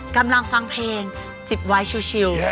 กำลังฟังเพลงจิบไว้ชิล